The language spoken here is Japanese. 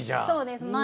そうです